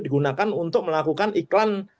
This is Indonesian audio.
digunakan untuk melakukan iklan